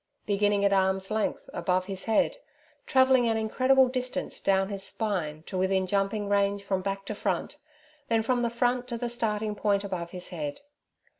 Beginning at arm's length above his head, travelling an incredible distance down his spine to within jumping range from back to front, then from the front to the starting point above his head.